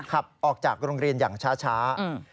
ขับออกจากโรงเรียนอย่างช้า